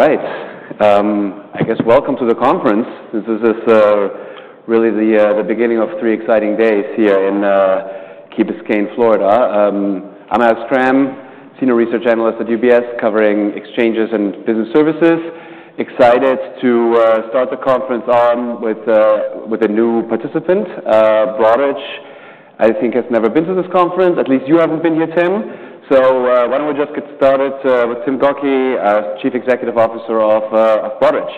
All right. I guess welcome to the conference. This is really the beginning of three exciting days here in Key Biscayne, Florida. I'm Alex Kramm, Senior Research Analyst at UBS, covering exchanges and business services. Excited to start the conference on with with a new participant, Broadridge, I think, has never been to this conference. At least you haven't been here, Tim. So why don't we just get started with Tim Gokey, Chief Executive Officer of Broadridge?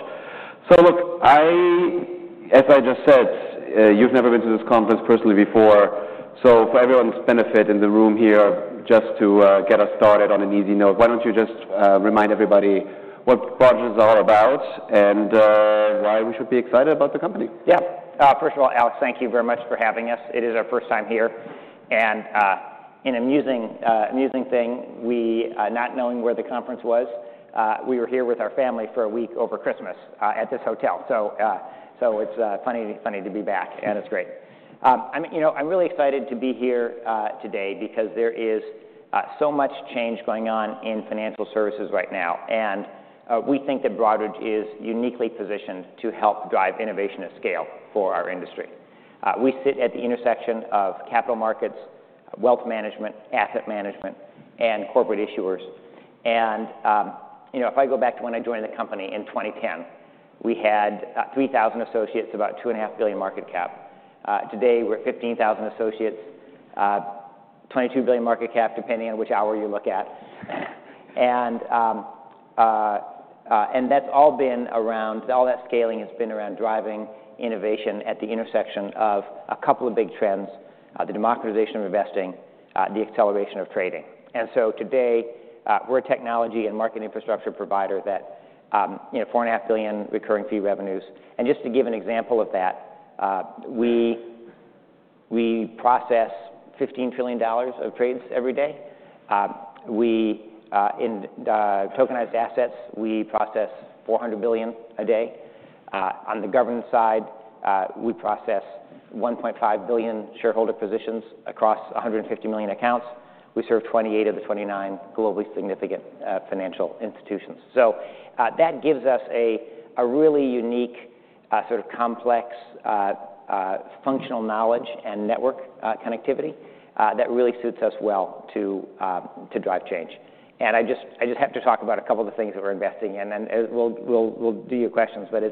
So look, as I just said, you've never been to this conference personally before. So for everyone's benefit in the room here, just to get us started on an easy note, why don't you just remind everybody what Broadridge is all about and why we should be excited about the company? Yeah. First of all, Alex, thank you very much for having us. It is our first time here, and an amusing thing, we not knowing where the conference was, we were here with our family for a week over Christmas at this hotel. So it's funny to be back, and it's great. I mean, you know, I'm really excited to be here today because there is so much change going on in financial services right now, and we think that Broadridge is uniquely positioned to help drive innovation at scale for our industry. We sit at the intersection of capital markets, wealth management, asset management, and corporate issuers. You know, if I go back to when I joined the company in 2010, we had 3,000 associates, about $2.5 billion market cap. Today, we're at 15,000 associates, $22 billion market cap, depending on which hour you look at. All that scaling has been around driving innovation at the intersection of a couple of big trends: the democratization of investing, the acceleration of trading. And so today, we're a technology and market infrastructure provider that, you know, $4.5 billion recurring fee revenues. And just to give an example of that, we process $15 trillion of trades every day. In tokenized assets, we process $400 billion a day. On the governance side, we process 1.5 billion shareholder positions across 150 million accounts. We serve 28 of the 29 globally significant financial institutions. So, that gives us a really unique sort of complex functional knowledge and network connectivity that really suits us well to drive change. And I just have to talk about a couple of the things that we're investing in, and then we'll do your questions. But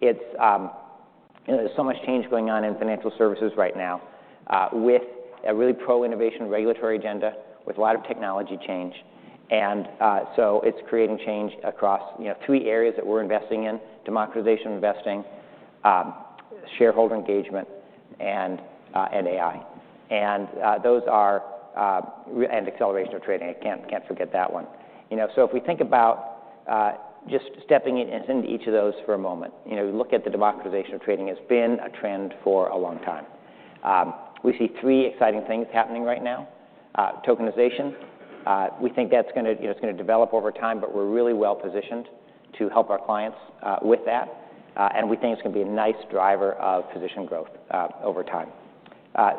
you know, there's so much change going on in financial services right now, with a really pro-innovation regulatory agenda, with a lot of technology change. And so it's creating change across, you know, three areas that we're investing in: democratization of investing, shareholder engagement, and AI. And those are... Acceleration of trading. I can't forget that one. You know, so if we think about just stepping into each of those for a moment. You know, we look at the democratization of trading; it's been a trend for a long time. We see three exciting things happening right now. Tokenization, we think that's gonna, you know, it's gonna develop over time, but we're really well-positioned to help our clients with that, and we think it's gonna be a nice driver of position growth over time.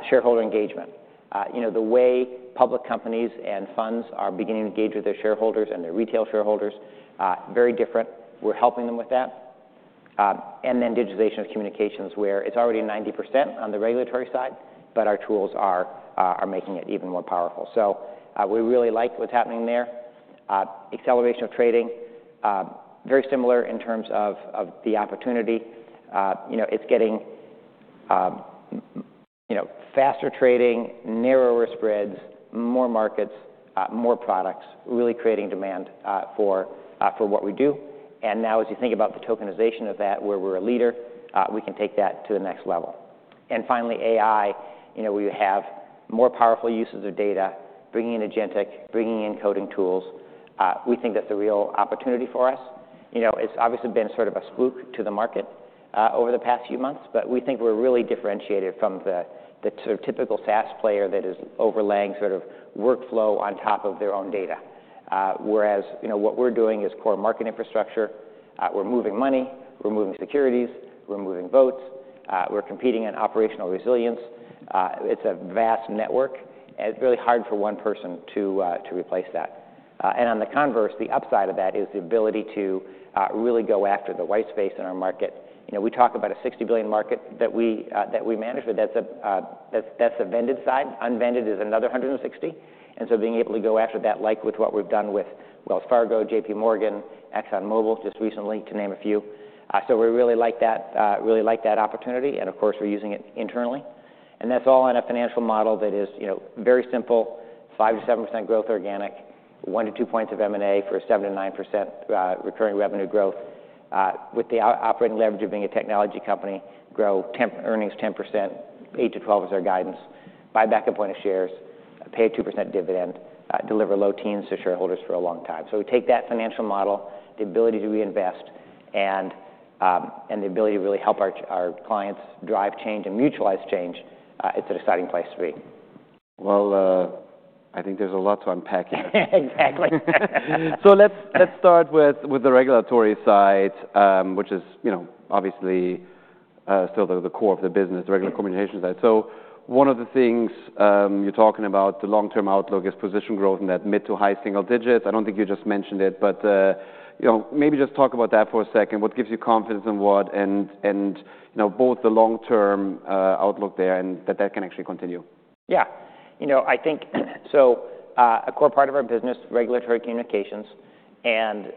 Shareholder engagement. You know, the way public companies and funds are beginning to engage with their shareholders and their retail shareholders very different. We're helping them with that. And then digitization of communications, where it's already 90% on the regulatory side, but our tools are making it even more powerful. So, we really like what's happening there. Acceleration of trading, very similar in terms of the opportunity. You know, it's getting faster trading, narrower spreads, more markets, more products, really creating demand for what we do. And now, as you think about the tokenization of that, where we're a leader, we can take that to the next level. And finally, AI, you know, we have more powerful uses of data, bringing in agentic, bringing in coding tools. We think that's a real opportunity for us. You know, it's obviously been sort of a spook to the market over the past few months, but we think we're really differentiated from the sort of typical SaaS player that is overlaying sort of workflow on top of their own data. Whereas, you know, what we're doing is core market infrastructure. We're moving money, we're moving securities, we're moving votes, we're competing in operational resilience. It's a vast network, and it's really hard for one person to replace that. And on the converse, the upside of that is the ability to really go after the white space in our market. You know, we talk about a $60 billion market that we manage, but that's the vended side. Unvended is another $160 billion. And so being able to go after that, like with what we've done with Wells Fargo, J.P. Morgan, ExxonMobil just recently, to name a few. So we really like that, really like that opportunity, and of course, we're using it internally. And that's all in a financial model that is, you know, very simple, 5%-7% growth organic, 1-2 points of M&A for a 7%-9%, recurring revenue growth. With the operating leverage of being a technology company, grow earnings 10%, 8-12 is our guidance. Buy back 1 point of shares, pay a 2% dividend, deliver low teens to shareholders for a long time. So we take that financial model, the ability to reinvest, and the ability to really help our clients drive change and mutualize change. It's an exciting place to be. Well, I think there's a lot to unpack here. Exactly. So let's start with the regulatory side, which is, you know, obviously, still the core of the business, the regulatory communications side. So one of the things you're talking about, the long-term outlook, is position growth in that mid- to high-single-digits. I don't think you just mentioned it, but, you know, maybe just talk about that for a second. What gives you confidence in what, and, you know, both the long-term outlook there, and that that can actually continue? Yeah. You know, I think so, a core part of our business, regulatory communications, and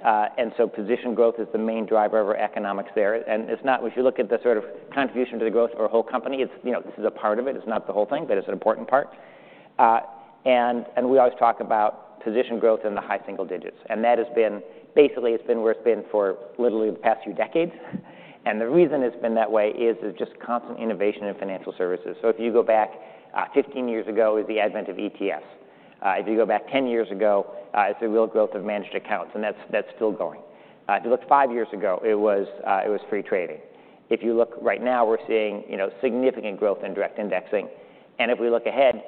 so position growth is the main driver of our economics there. And it's not... If you look at the sort of contribution to the growth of our whole company, it's, you know, this is a part of it, it's not the whole thing, but it's an important part. And we always talk about position growth in the high single digits, and that has been basically, it's been where it's been for literally the past few decades. And the reason it's been that way is there's just constant innovation in financial services. So if you go back 15 years ago, with the advent of ETFs, if you go back 10 years ago, it's the real growth of managed accounts, and that's still going. If you look five years ago, it was, it was free trading. If you look right now, we're seeing, you know, significant growth in direct indexing. And if we look ahead,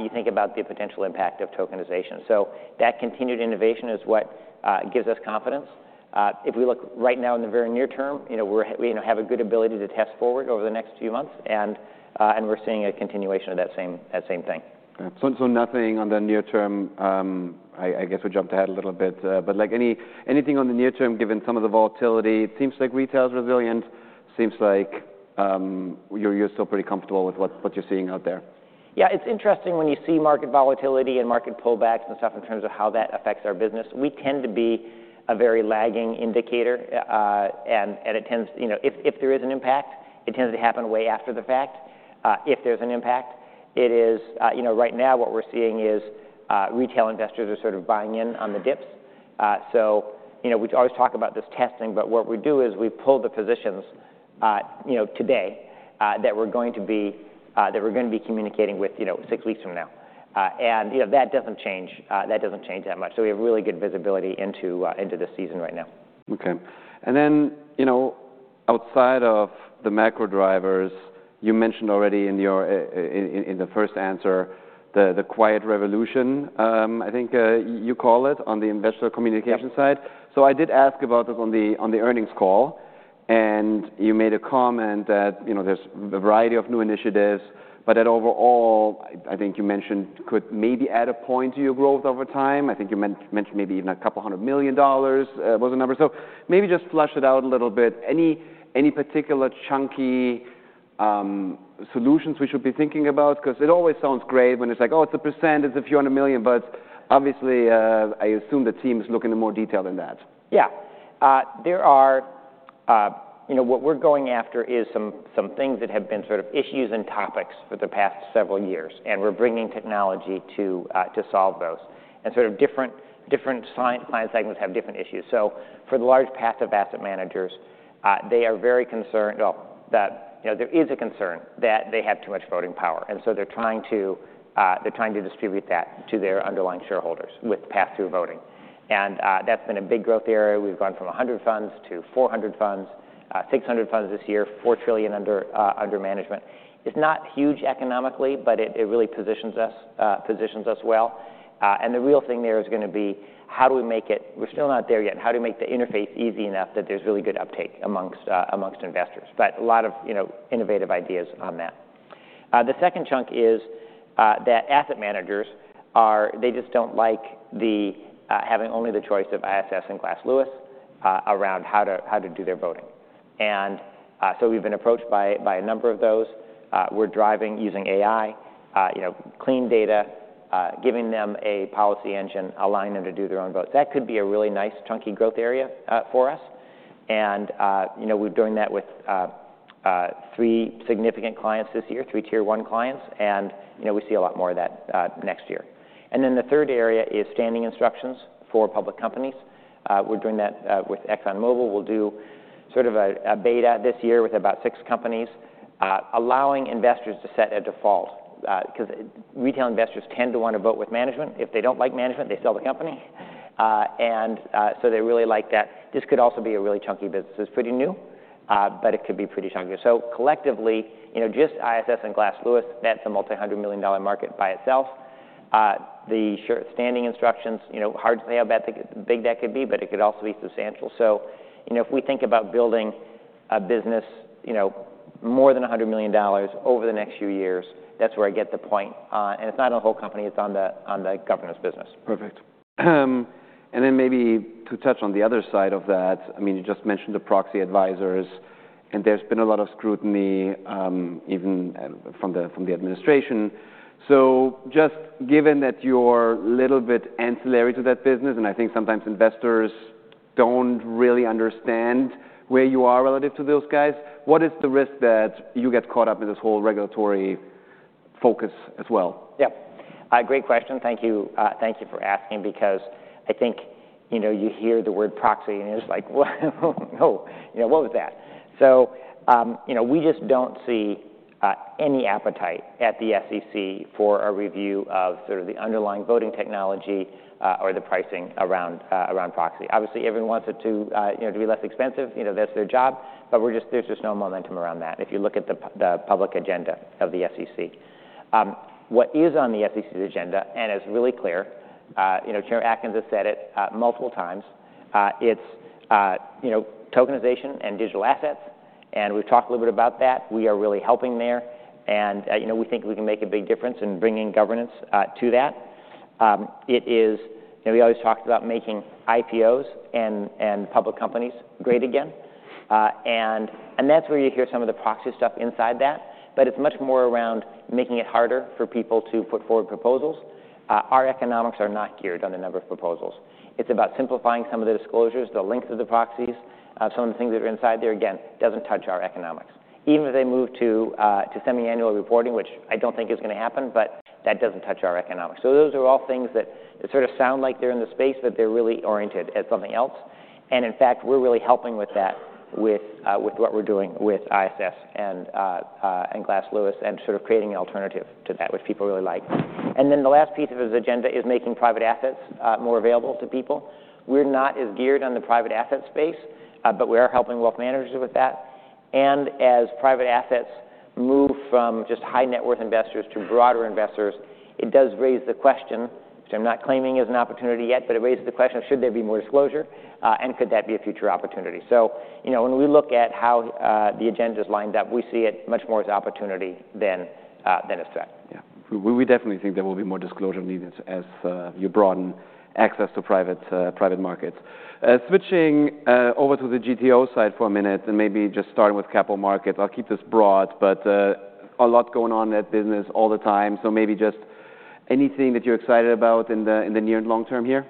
you think about the potential impact of tokenization. So that continued innovation is what, gives us confidence. If we look right now in the very near term, you know, we're, we, you know, have a good ability to test forward over the next few months, and, and we're seeing a continuation of that same, that same thing. So nothing on the near term. I guess we jumped ahead a little bit, but like, anything on the near term, given some of the volatility? It seems like retail is resilient. Seems like, you're still pretty comfortable with what you're seeing out there. Yeah, it's interesting when you see market volatility and market pullbacks and stuff, in terms of how that affects our business. We tend to be a very lagging indicator, and it tends. You know, if there is an impact, it tends to happen way after the fact, if there's an impact. It is, you know, right now, what we're seeing is, retail investors are sort of buying in on the dips. So, you know, we always talk about this testing, but what we do is we pull the positions, you know, today, that we're gonna be communicating with, you know, six weeks from now. And, you know, that doesn't change that much. So we have really good visibility into the season right now. Okay. And then, you know, outside of the macro drivers, you mentioned already in your, in the first answer, the quiet revolution, I think, you call it, on the investor communication side. Yeah. So I did ask about this on the earnings call, and you made a comment that, you know, there's a variety of new initiatives, but that overall, I think you mentioned, could maybe add 1 point to your growth over time. I think you mentioned maybe even $200 million was the number. So maybe just flesh it out a little bit. Any particular chunky solutions we should be thinking about? 'Cause it always sounds great when it's like, "Oh, it's 1%, it's a few hundred million," but obviously, I assume the team is looking in more detail than that. Yeah. You know, what we're going after is some things that have been sort of issues and topics for the past several years, and we're bringing technology to solve those. And sort of different client segments have different issues. So for the large part of asset managers, they are very concerned. Well, that, you know, there is a concern that they have too much voting power, and so they're trying to distribute that to their underlying shareholders with pass-through voting. And that's been a big growth area. We've gone from 100 funds to 400 funds, 600 funds this year, $4 trillion under management. It's not huge economically, but it really positions us well. The real thing there is gonna be, how do we make it. We're still not there yet. How do we make the interface easy enough that there's really good uptake amongst investors? But a lot of, you know, innovative ideas on that. The second chunk is that asset managers are—they just don't like having only the choice of ISS and Glass Lewis around how to do their voting. And so we've been approached by a number of those. We're driving using AI, you know, clean data, giving them a policy engine, allowing them to do their own vote. That could be a really nice, chunky growth area for us. And, you know, we're doing that with three significant clients this year, three Tier One clients, and, you know, we see a lot more of that next year. And then the third area is standing instructions for public companies. We're doing that with ExxonMobil. We'll do sort of a beta this year with about six companies, allowing investors to set a default, because retail investors tend to want to vote with management. If they don't like management, they sell the company. And so they really like that. This could also be a really chunky business. It's pretty new, but it could be pretty chunky. So collectively, you know, just ISS and Glass Lewis, that's a multi-hundred million dollar market by itself. The short-standing instructions, you know, hard to say how big that could be, but it could also be substantial. So, you know, if we think about building a business, you know, more than $100 million over the next few years, that's where I get the point. And it's not on the whole company, it's on the governance business. Perfect. And then maybe to touch on the other side of that, I mean, you just mentioned the proxy advisors, and there's been a lot of scrutiny, even from the administration. So just given that you're a little bit ancillary to that business, and I think sometimes investors don't really understand where you are relative to those guys, what is the risk that you get caught up in this whole regulatory focus as well? Yeah. Great question. Thank you. Thank you for asking, because I think, you know, you hear the word proxy, and it's like, well, no. You know, what was that? So, you know, we just don't see any appetite at the SEC for a review of sort of the underlying voting technology, or the pricing around proxy. Obviously, everyone wants it to, you know, to be less expensive. You know, that's their job, but there's just no momentum around that, if you look at the public agenda of the SEC. What is on the SEC's agenda, and it's really clear, you know, Chair Atkins has said it multiple times, it's, you know, tokenization and digital assets, and we've talked a little bit about that. We are really helping there, and, you know, we think we can make a big difference in bringing governance to that. You know, we always talked about making IPOs and public companies great again, and that's where you hear some of the proxy stuff inside that, but it's much more around making it harder for people to put forward proposals. Our economics are not geared on the number of proposals. It's about simplifying some of the disclosures, the length of the proxies. Some of the things that are inside there, again, doesn't touch our economics. Even if they move to semiannual reporting, which I don't think is gonna happen, but that doesn't touch our economics. So those are all things that sort of sound like they're in the space, but they're really oriented at something else. In fact, we're really helping with that, with what we're doing with ISS and Glass Lewis, and sort of creating an alternative to that, which people really like. And then the last piece of this agenda is making private assets more available to people. We're not as geared on the private asset space, but we are helping wealth managers with that. And as private assets move from just high-net-worth investors to broader investors, it does raise the question, which I'm not claiming is an opportunity yet, but it raises the question of should there be more disclosure, and could that be a future opportunity? So, you know, when we look at how the agenda's lined up, we see it much more as opportunity than a threat. Yeah. We, we definitely think there will be more disclosure needed as you broaden access to private, private markets. Switching over to the GTO side for a minute, and maybe just starting with capital markets. I'll keep this broad, but a lot going on in that business all the time, so maybe just anything that you're excited about in the, in the near and long term here?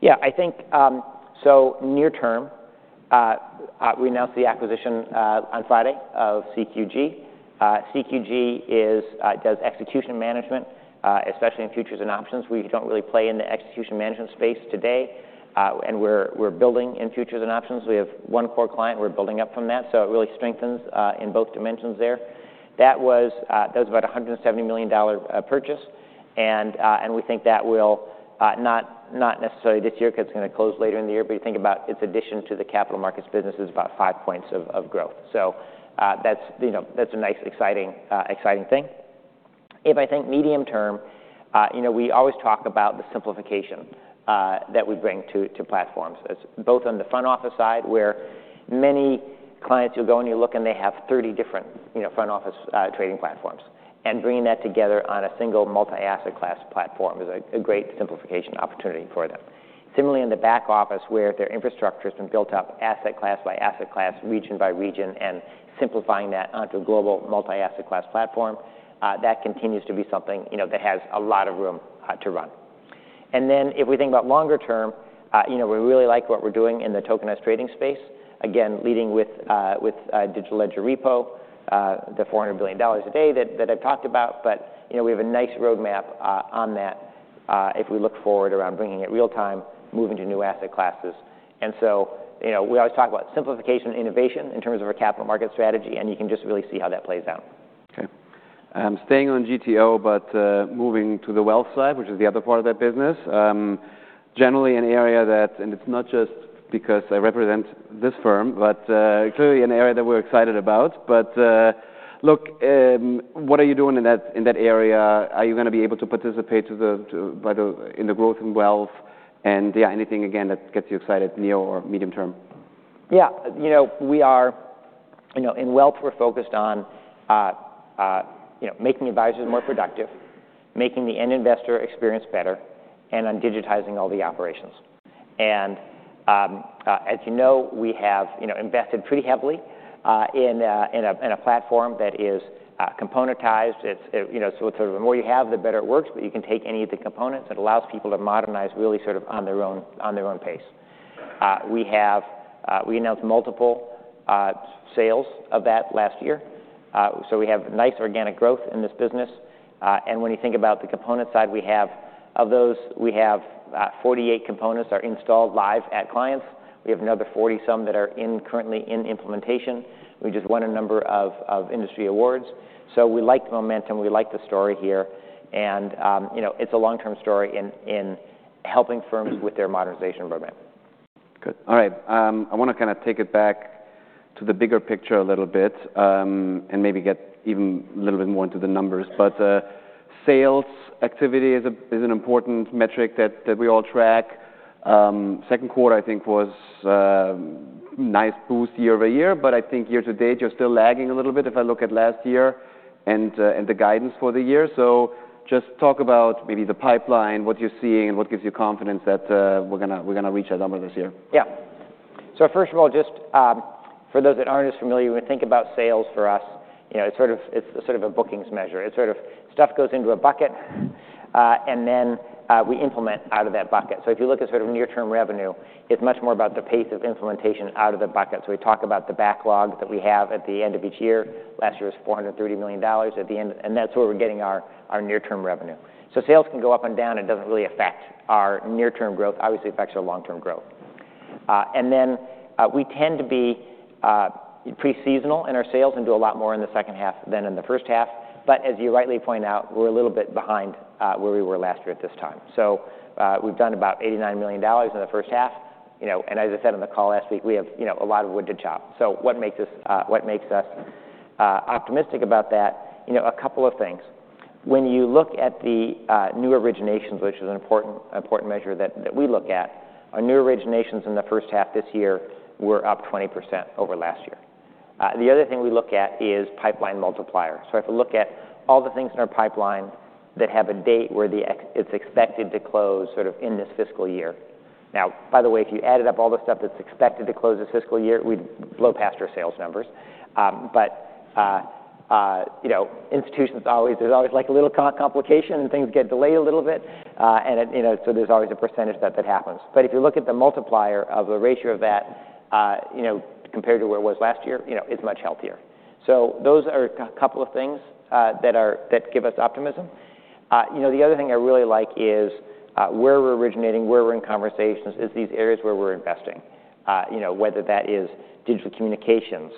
Yeah, I think. So near term, we announced the acquisition on Friday of CQG. CQG does execution management, especially in futures and options. We don't really play in the execution management space today, and we're building in futures and options. We have one core client, we're building up from that, so it really strengthens in both dimensions there. That was about a $170 million purchase, and we think that will not necessarily this year, because it's gonna close later in the year, but you think about its addition to the capital markets business is about 5 points of growth. So, that's, you know, that's a nice, exciting thing. If I think medium term, you know, we always talk about the simplification that we bring to, to platforms. It's both on the front office side, where many clients, you'll go and you look, and they have 30 different, you know, front office trading platforms, and bringing that together on a single multi-asset class platform is a, a great simplification opportunity for them. Similarly, in the back office, where their infrastructure has been built up asset class by asset class, region by region, and simplifying that onto a global multi-asset class platform, that continues to be something, you know, that has a lot of room to run. And then if we think about longer term, you know, we really like what we're doing in the tokenized trading space. Again, leading with Digital Ledger Repo, the $400 billion a day that I've talked about, but, you know, we have a nice roadmap on that, if we look forward around bringing it real time, moving to new asset classes. And so, you know, we always talk about simplification and innovation in terms of our capital market strategy, and you can just really see how that plays out. Okay. Staying on GTO, but moving to the wealth side, which is the other part of that business. Generally an area that... And it's not just because I represent this firm, but clearly an area that we're excited about. But look, what are you doing in that area? Are you gonna be able to participate to the, to- by the-- in the growth in wealth? And, yeah, anything again, that gets you excited, near or medium term. Yeah. You know, we are, you know, in wealth, we're focused on, you know, making the advisors more productive, making the end investor experience better, and on digitizing all the operations. And, as you know, we have, you know, invested pretty heavily, in a platform that is, componentized. It's. You know, so sort of the more you have, the better it works, but you can take any of the components. It allows people to modernize really sort of on their own, on their own pace. We have, we announced multiple, sales of that last year, so we have nice organic growth in this business. And when you think about the component side, we have-- Of those, we have, 48 components are installed live at clients. We have another 40-some that are currently in implementation. We just won a number of industry awards. So we like the momentum, we like the story here, and you know, it's a long-term story in helping firms with their modernization roadmap. Good. All right. I wanna kind of take it back to the bigger picture a little bit, and maybe get even a little bit more into the numbers. But, sales activity is a, is an important metric that, that we all track. Second quarter, I think, was, nice boost year over year, but I think year to date, you're still lagging a little bit if I look at last year and, and the guidance for the year. So just talk about maybe the pipeline, what you're seeing, and what gives you confidence that, we're gonna, we're gonna reach that number this year. Yeah. So first of all, just, for those that aren't as familiar, when we think about sales for us, you know, it's sort of, it's sort of a bookings measure. It's sort of stuff goes into a bucket, and then, we implement out of that bucket. So if you look at sort of near-term revenue, it's much more about the pace of implementation out of the bucket. So we talk about the backlog that we have at the end of each year. Last year was $430 million at the end, and that's where we're getting our, our near-term revenue. So sales can go up and down, it doesn't really affect our near-term growth. Obviously, it affects our long-term growth. And then, we tend to be pre-seasonal in our sales and do a lot more in the second half than in the first half. But as you rightly point out, we're a little bit behind where we were last year at this time. So, we've done about $89 million in the first half. You know, and as I said on the call last week, we have, you know, a lot of wood to chop. So what makes us optimistic about that? You know, a couple of things. When you look at the new originations, which is an important measure that we look at, our new originations in the first half this year were up 20% over last year. The other thing we look at is pipeline multiplier. So if we look at all the things in our pipeline that have a date where it's expected to close sort of in this fiscal year. Now, by the way, if you added up all the stuff that's expected to close this fiscal year, we'd blow past our sales numbers. But you know, institutions always—there's always, like, a little complication, and things get delayed a little bit. And it, you know, so there's always a percentage that that happens. But if you look at the multiplier of the ratio of that, you know, compared to where it was last year, you know, it's much healthier. So those are a couple of things that give us optimism. You know, the other thing I really like is where we're originating, where we're in conversations is these areas where we're investing, you know, whether that is digital communications,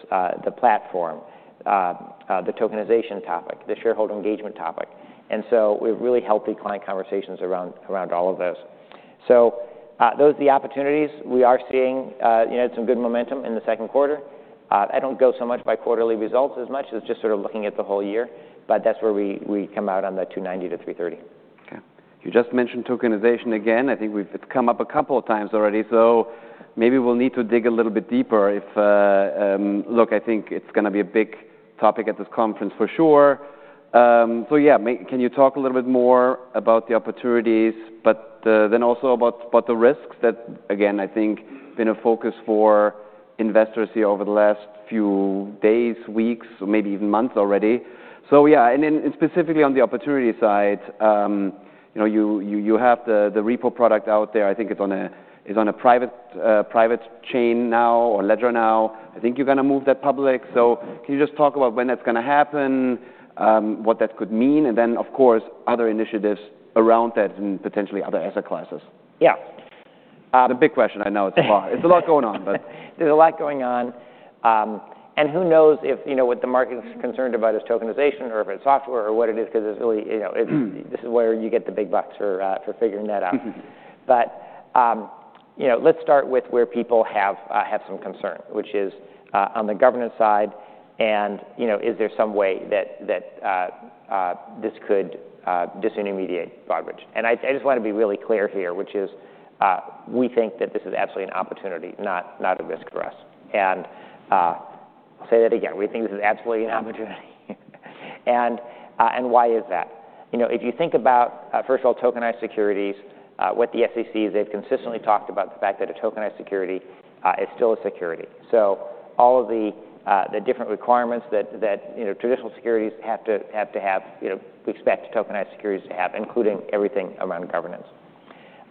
the platform, the tokenization topic, the shareholder engagement topic. And so we have really healthy client conversations around, around all of this. So, those are the opportunities. We are seeing, you know, some good momentum in the second quarter. I don't go so much by quarterly results as much as just sort of looking at the whole year, but that's where we, we come out on the $290-$330. Okay. You just mentioned tokenization again. I think it's come up a couple of times already, so maybe we'll need to dig a little bit deeper if. Look, I think it's gonna be a big topic at this conference for sure. So yeah, can you talk a little bit more about the opportunities, but then also about about the risks that, again, I think been a focus for investors here over the last few days, weeks, or maybe even months already. So yeah, and then specifically on the opportunity side, you know, you have the repo product out there. I think it's on a private chain now or ledger now. I think you're gonna move that public. Can you just talk about when that's gonna happen, what that could mean, and then, of course, other initiatives around that and potentially other asset classes? Yeah, uh- It's a big question, I know it's a lot. It's a lot going on, but- There's a lot going on. Who knows if, you know, what the market's concerned about is tokenization or if it's software or what it is, 'cause it's really, you know, it- Mm-hmm. This is where you get the big bucks for figuring that out. But, you know, let's start with where people have some concern, which is on the governance side, and, you know, is there some way that this could disintermediate Broadridge? And I just want to be really clear here, which is, we think that this is absolutely an opportunity, not a risk for us. And, I'll say that again, we think this is absolutely an opportunity. And why is that? You know, if you think about, first of all, tokenized securities, what the SEC, they've consistently talked about the fact that a tokenized security is still a security. So all of the different requirements that, you know, traditional securities have to have, you know, we expect tokenized securities to have, including everything around governance.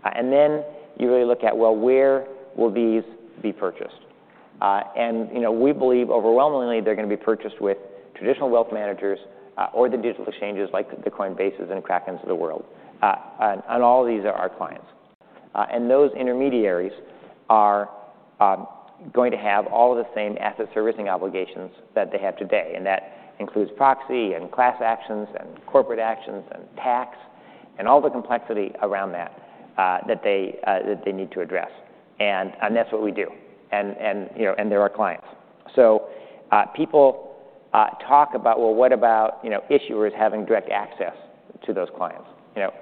And then you really look at, well, where will these be purchased? And, you know, we believe overwhelmingly they're gonna be purchased with traditional wealth managers or the digital exchanges like the Coinbase and Krakens of the world. And all of these are our clients. And those intermediaries are going to have all of the same asset servicing obligations that they have today, and that includes proxy and class actions and corporate actions and tax and all the complexity around that that they need to address. And, you know, and they're our clients. So, people talk about, well, what about, you know, issuers having direct access to those clients? You know,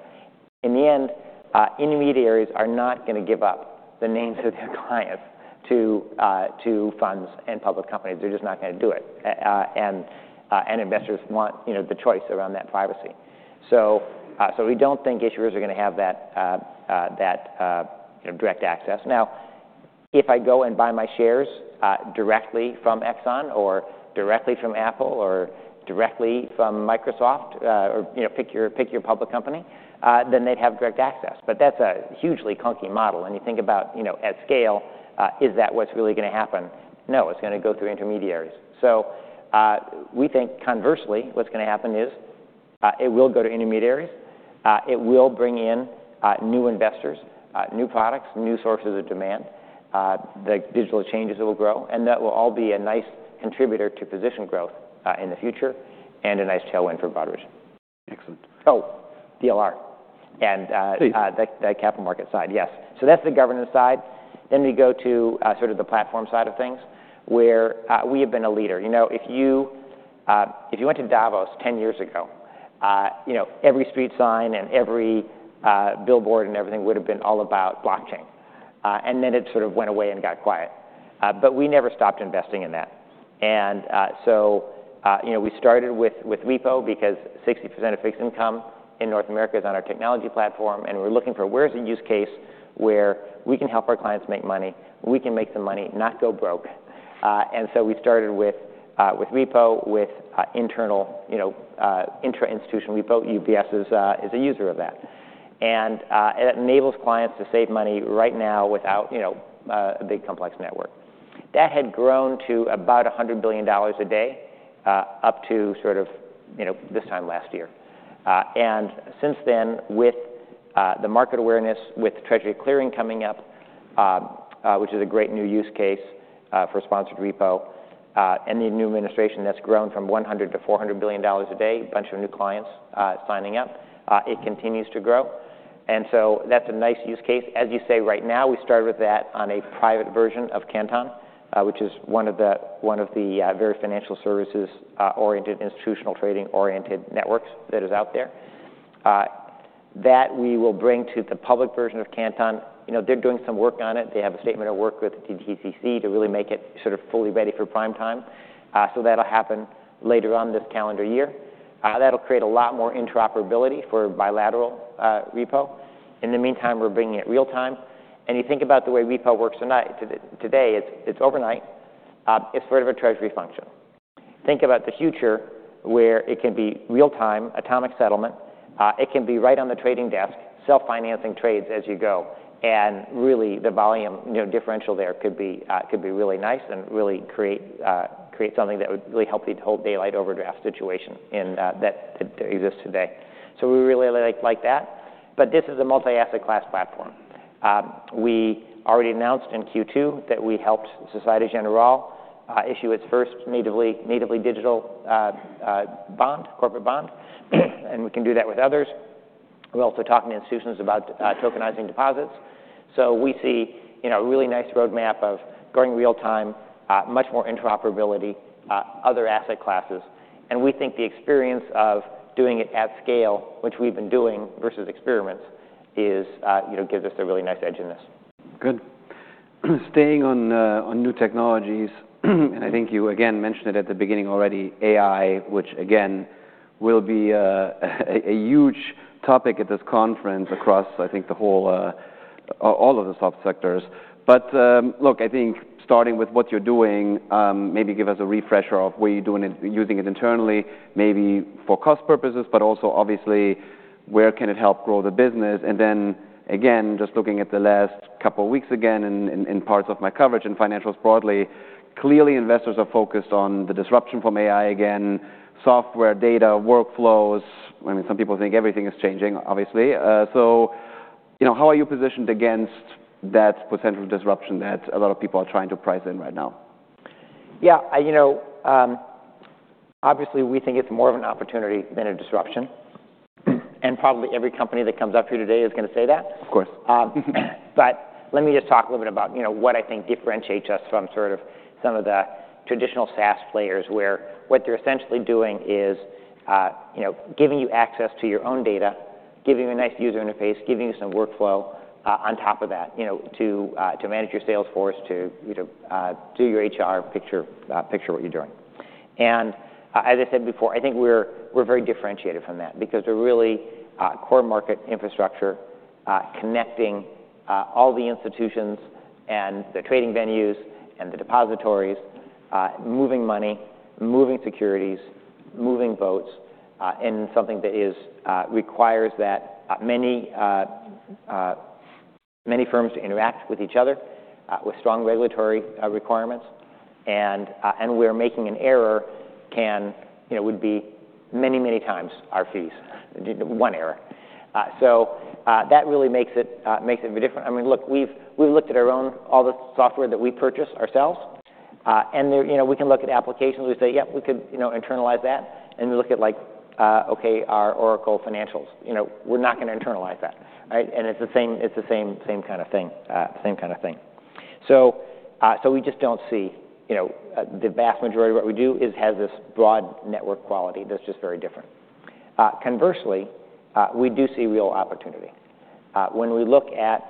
in the end, intermediaries are not gonna give up the names of their clients to funds and public companies. They're just not gonna do it. And investors want, you know, the choice around that privacy. So we don't think issuers are gonna have that, you know, direct access. Now, if I go and buy my shares directly from Exxon or directly from Apple or directly from Microsoft, or, you know, pick your, pick your public company, then they'd have direct access. But that's a hugely clunky model. When you think about, you know, at scale, is that what's really gonna happen? No, it's gonna go through intermediaries. So, we think conversely, what's gonna happen is, it will go to intermediaries, it will bring in, new investors, new products, new sources of demand, the digital exchanges will grow, and that will all be a nice contributor to position growth, in the future, and a nice tailwind for Broadridge. Excellent. Oh, DLR and, Please... the capital market side. Yes. So that's the governance side. Then we go to sort of the platform side of things, where we have been a leader. You know, if you went to Davos 10 years ago, you know, every street sign and every billboard and everything would have been all about blockchain, and then it sort of went away and got quiet. But we never stopped investing in that. And so, you know, we started with repo because 60% of fixed income in North America is on our technology platform, and we're looking for: Where is the use case where we can help our clients make money, we can make some money, not go broke? And so we started with repo, with internal, you know, intra-institution repo. UBS is a user of that. And it enables clients to save money right now without, you know, a big, complex network. That had grown to about $100 billion a day up to sort of, you know, this time last year. And since then, with the market awareness, with Treasury clearing coming up, which is a great new use case for sponsored repo, and the new administration that's grown from $100 billion- $400 billion a day, a bunch of new clients signing up. It continues to grow, and so that's a nice use case. As you say, right now, we started with that on a private version of Canton, which is one of the very financial services oriented, institutional trading-oriented networks that is out there. That we will bring to the public version of Canton. You know, they're doing some work on it. They have a statement of work with DTCC to really make it sort of fully ready for prime time. So that'll happen later on this calendar year. That'll create a lot more interoperability for bilateral repo. In the meantime, we're bringing it real time. And you think about the way repo works today, it's overnight. It's sort of a treasury function. Think about the future, where it can be real-time, atomic settlement. It can be right on the trading desk, self-financing trades as you go. And really, the volume, you know, differential there could be really nice and really create something that would really help the whole daylight overdraft situation that exists today. So we really like that. But this is a multi-asset class platform. We already announced in Q2 that we helped Société Générale issue its first natively digital bond, corporate bond, and we can do that with others. We're also talking to institutions about tokenizing deposits. So we see, you know, a really nice roadmap of going real time, much more interoperability, other asset classes. And we think the experience of doing it at scale, which we've been doing versus experiments, is, you know, gives us a really nice edge in this. Good. Staying on new technologies, and I think you again mentioned it at the beginning already, AI, which again, will be a huge topic at this conference across, I think, the whole, all of the subsectors. But look, I think starting with what you're doing, maybe give us a refresher of where you're doing it, using it internally, maybe for cost purposes, but also obviously where can it help grow the business? And then again, just looking at the last couple of weeks again, in parts of my coverage in financials broadly, clearly investors are focused on the disruption from AI again, software, data, workflows. I mean, some people think everything is changing, obviously. So, you know, how are you positioned against that potential disruption that a lot of people are trying to price in right now? Yeah, you know, obviously we think it's more of an opportunity than a disruption. Probably every company that comes up here today is going to say that. Of course. But let me just talk a little bit about, you know, what I think differentiates us from sort of some of the traditional SaaS players, where what they're essentially doing is, you know, giving you access to your own data, giving you a nice user interface, giving you some workflow on top of that, you know, to manage your sales force, to, you know, do your HR, picture what you're doing. As I said before, I think we're very differentiated from that because we're really core market infrastructure, connecting all the institutions and the trading venues and the depositories, moving money, moving securities, moving votes in something that requires that many firms to interact with each other with strong regulatory requirements. And where making an error can... You know, would be many, many times our fees, one error. So, that really makes it, makes it very different. I mean, look, we've, we've looked at our own... All the software that we purchase ourselves, and there, you know, we can look at applications, we say: Yep, we could, you know, internalize that. And we look at like, okay, our Oracle Financials. You know, we're not gonna internalize that, right? And it's the same, it's the same, same kind of thing, same kind of thing. So, so we just don't see... You know, the vast majority of what we do is have this broad network quality that's just very different. Conversely, we do see real opportunity when we look at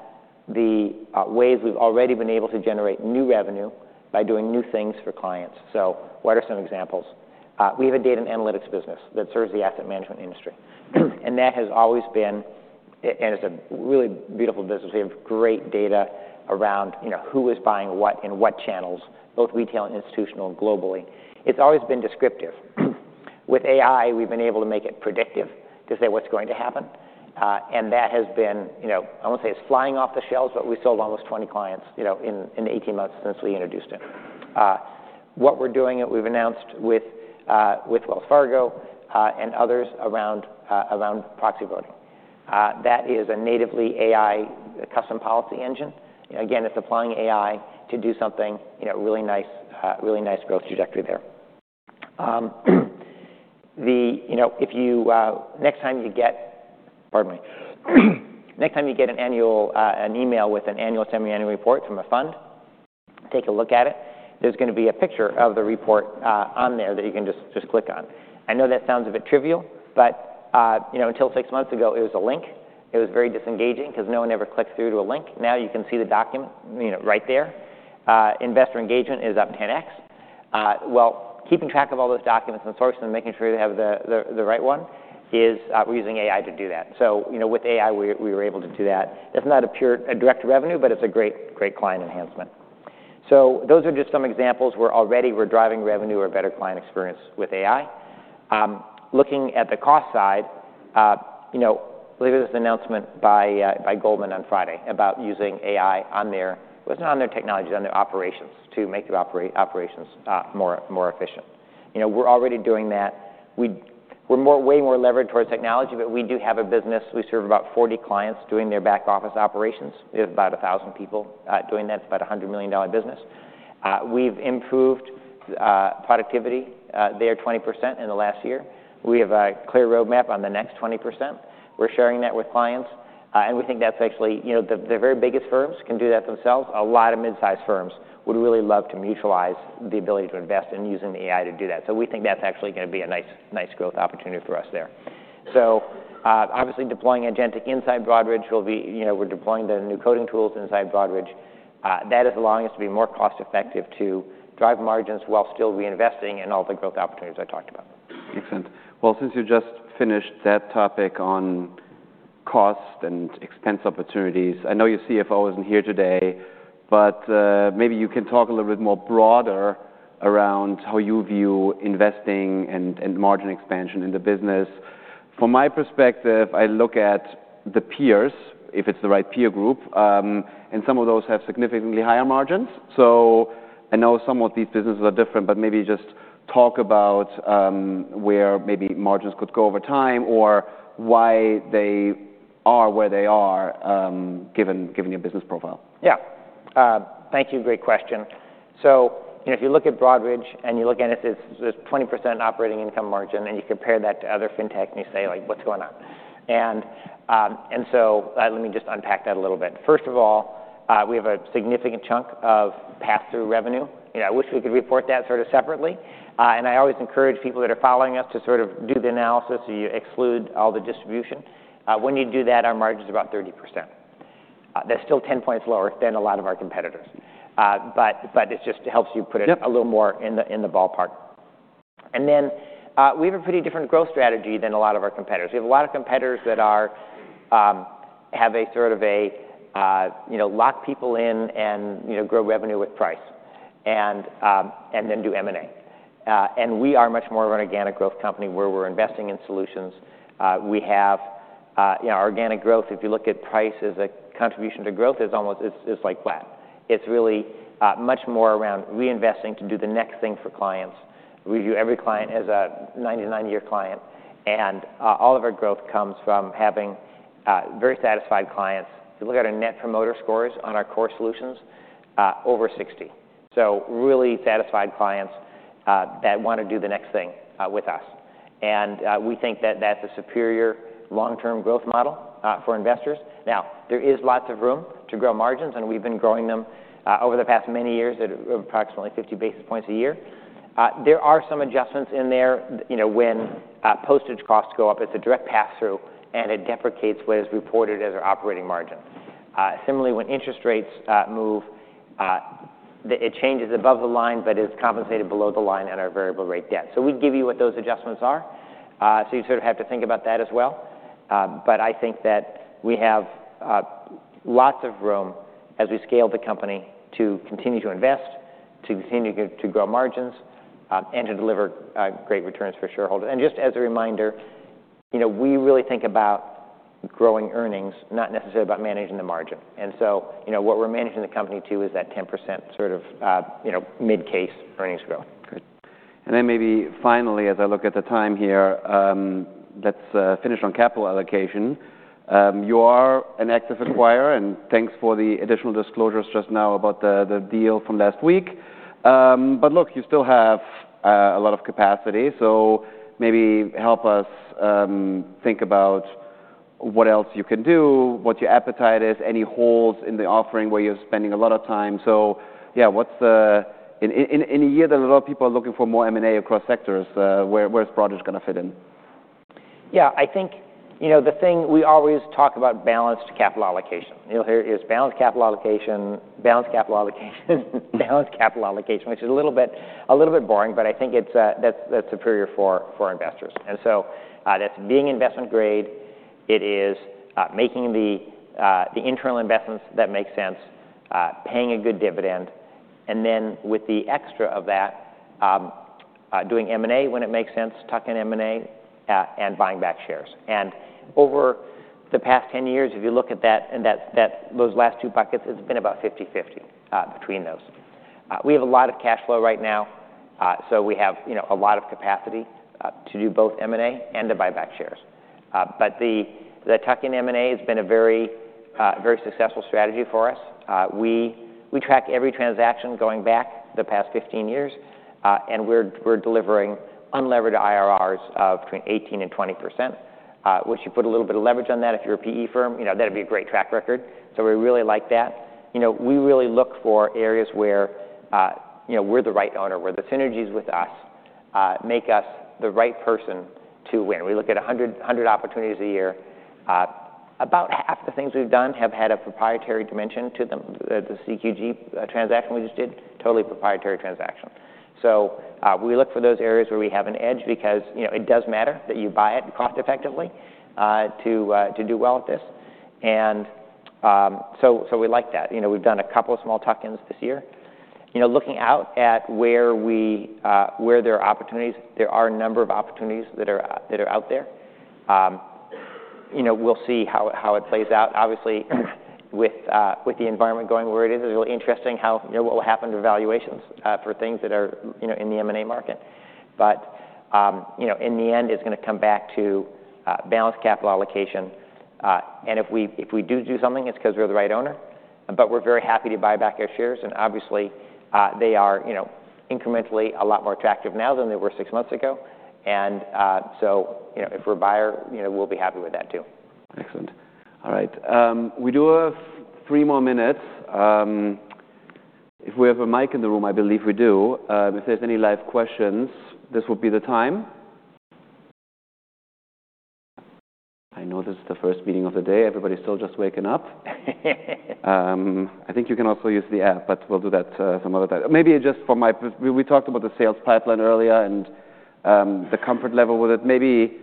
the ways we've already been able to generate new revenue by doing new things for clients. So what are some examples? We have a data and analytics business that serves the asset management industry. That has always been... It's a really beautiful business. We have great data around, you know, who is buying what and what channels, both retail and institutional, globally. It's always been descriptive. With AI, we've been able to make it predictive, to say what's going to happen. And that has been, you know, I won't say it's flying off the shelves, but we sold almost 20 clients, you know, in the 18 months since we introduced it. What we're doing, and we've announced with Wells Fargo and others around proxy voting. That is a natively AI custom policy engine. Again, it's applying AI to do something, you know, really nice, really nice growth trajectory there. You know, if you next time you get... Pardon me. Next time you get an annual, an email with an annual, semi-annual report from a fund, take a look at it. There's gonna be a picture of the report, on there that you can just, just click on. I know that sounds a bit trivial, but, you know, until six months ago, it was a link. It was very disengaging because no one ever clicks through to a link. Now you can see the document, you know, right there. Investor engagement is up 10x. Well, keeping track of all those documents and sources and making sure you have the right one is. We're using AI to do that. So, you know, with AI, we were able to do that. It's not a pure direct revenue, but it's a great, great client enhancement. So those are just some examples where already we're driving revenue or better client experience with AI. Looking at the cost side, you know, believe there was this announcement by Goldman on Friday about using AI on their. It wasn't on their technologies, on their operations to make the operations more efficient. You know, we're already doing that. We're way more levered towards technology, but we do have a business. We serve about 40 clients doing their back-office operations. We have about 1,000 people doing that. It's about a $100 million business. We've improved productivity there 20% in the last year. We have a clear roadmap on the next 20%. We're sharing that with clients, and we think that's actually. You know, the very biggest firms can do that themselves. A lot of mid-sized firms would really love to mutualize the ability to invest in using the AI to do that. So we think that's actually gonna be a nice, nice growth opportunity for us there. So, obviously, deploying agentic inside Broadridge will be. You know, we're deploying the new coding tools inside Broadridge. That is allowing us to be more cost-effective to drive margins while still reinvesting in all the growth opportunities I talked about. Makes sense. Well, since you just finished that topic on cost and expense opportunities, I know your CFO isn't here today, but maybe you can talk a little bit more broader around how you view investing and margin expansion in the business. From my perspective, I look at the peers, if it's the right peer group, and some of those have significantly higher margins. So I know some of these businesses are different, but maybe just talk about where maybe margins could go over time or why they are where they are, given your business profile. Yeah. Thank you. Great question. So, you know, if you look at Broadridge, and you look at it, it's this 20% operating income margin, and you compare that to other fintech, and you say, like, "What's going on?" And so, let me just unpack that a little bit. First of all, we have a significant chunk of passthrough revenue, and I wish we could report that sort of separately. And I always encourage people that are following us to sort of do the analysis, so you exclude all the distribution. When you do that, our margin's about 30%. That's still ten points lower than a lot of our competitors, but it just helps you put it- Yep... a little more in the ballpark. And then, we have a pretty different growth strategy than a lot of our competitors. We have a lot of competitors that have a sort of, you know, lock people in and, you know, grow revenue with price, and then do M&A. And we are much more of an organic growth company, where we're investing in solutions. We have, you know, our organic growth, if you look at price as a contribution to growth, is almost—it's like flat. It's really much more around reinvesting to do the next thing for clients. We view every client as a 99-year client, and all of our growth comes from having very satisfied clients. If you look at our Net Promoter Scores on our core solutions, over 60, so really satisfied clients that wanna do the next thing with us. We think that that's a superior long-term growth model for investors. Now, there is lots of room to grow margins, and we've been growing them over the past many years at approximately 50 basis points a year. There are some adjustments in there. You know, when postage costs go up, it's a direct pass-through, and it depreciates what is reported as our operating margin. Similarly, when interest rates move, it changes above the line, but it's compensated below the line on our variable rate debt. So we'd give you what those adjustments are, so you sort of have to think about that as well. But I think that we have lots of room as we scale the company to continue to invest, to continue to grow margins, and to deliver great returns for shareholders. And just as a reminder, you know, we really think about growing earnings, not necessarily about managing the margin. And so, you know, what we're managing the company to is that 10% sort of mid-case earnings growth. Good. And then maybe finally, as I look at the time here, let's finish on capital allocation. You are an active acquirer, and thanks for the additional disclosures just now about the deal from last week. But look, you still have a lot of capacity, so maybe help us think about what else you can do, what your appetite is, any holes in the offering where you're spending a lot of time. So, yeah, what's the... In a year that a lot of people are looking for more M&A across sectors, where is Broadridge gonna fit in? Yeah, I think, you know, the thing we always talk about balanced capital allocation. You'll hear it's balanced capital allocation, balanced capital allocation, balanced capital allocation, which is a little bit boring, but I think it's, that's superior for investors. And so, that's being investment-grade. It is making the internal investments that make sense, paying a good dividend, and then with the extra of that, doing M&A when it makes sense, tuck-in M&A, and buying back shares. And over the past 10 years, if you look at that, those last two buckets, it's been about 50/50 between those. We have a lot of cash flow right now, so we have, you know, a lot of capacity to do both M&A and to buy back shares. But the tuck-in M&A has been a very, very successful strategy for us. We track every transaction going back the past 15 years, and we're delivering unlevered IRRs of between 18% and 20%. Once you put a little bit of leverage on that, if you're a PE firm, you know, that'd be a great track record, so we really like that. You know, we really look for areas where, you know, we're the right owner, where the synergies with us make us the right person to win. We look at 100 opportunities a year. About half the things we've done have had a proprietary dimension to them. The CQG transaction we just did, totally proprietary transaction. So, we look for those areas where we have an edge because, you know, it does matter that you buy it cost-effectively to do well at this. And, so, so we like that. You know, we've done a couple of small tuck-ins this year. You know, looking out at where there are opportunities, there are a number of opportunities that are out there. You know, we'll see how it plays out. Obviously, with the environment going where it is, it's really interesting how, you know, what will happen to valuations for things that are, you know, in the M&A market. But, you know, in the end, it's gonna come back to balanced capital allocation. And if we, if we do do something, it's because we're the right owner. But we're very happy to buy back our shares, and obviously, they are, you know, incrementally a lot more attractive now than they were six months ago. So, you know, if we're a buyer, you know, we'll be happy with that too. Excellent. All right, we do have 3 more minutes. If we have a mic in the room, I believe we do, if there's any live questions, this will be the time. I know this is the first meeting of the day. Everybody's still just waking up. I think you can also use the app, but we'll do that, some other time. Maybe just from my perspective we talked about the sales pipeline earlier and, the comfort level with it. Maybe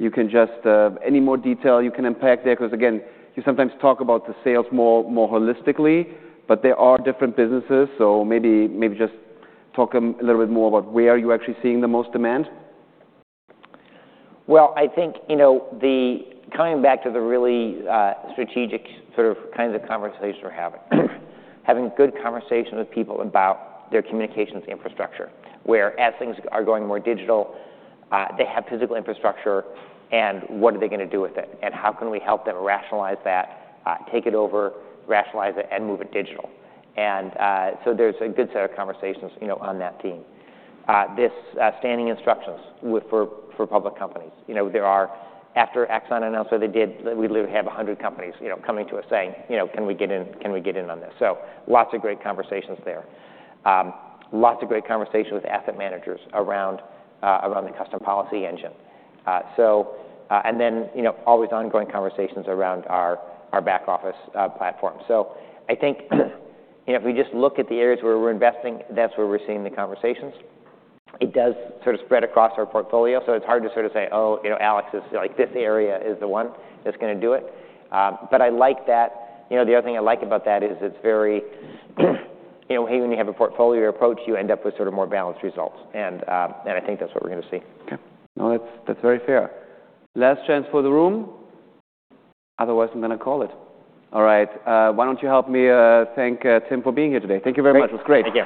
you can just, Any more detail you can impact there? Because, again, you sometimes talk about the sales more, more holistically, but there are different businesses. So maybe, maybe just talk a little bit more about where are you actually seeing the most demand. Well, I think, you know, coming back to the really strategic sort of kinds of conversations we're having. Having good conversations with people about their communications infrastructure, where as things are going more digital, they have physical infrastructure, and what are they gonna do with it? And how can we help them rationalize that, take it over, rationalize it, and move it digital? And so there's a good set of conversations, you know, on that theme. This standing instructions for public companies. You know, after Exxon announced that they did, we literally have 100 companies, you know, coming to us saying, "You know, can we get in? Can we get in on this?" So lots of great conversations there. Lots of great conversations with asset managers around the custom policy engine. So, and then, you know, always ongoing conversations around our back office platform. So I think, you know, if we just look at the areas where we're investing, that's where we're seeing the conversations. It does sort of spread across our portfolio, so it's hard to sort of say, "Oh, you know, Alex, is like, this area is the one that's gonna do it." But I like that. You know, the other thing I like about that is it's very, you know, when you have a portfolio approach, you end up with sort of more balanced results. And I think that's what we're gonna see. Okay. No, that's, that's very fair. Last chance for the room. Otherwise, I'm gonna call it. All right, why don't you help me thank Tim for being here today. Thank you very much. It was great. Thank you.